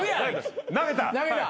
投げた？